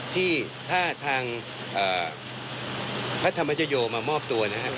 ที่ถ้าทางพระธรรมชโยมามอบตัวนะครับ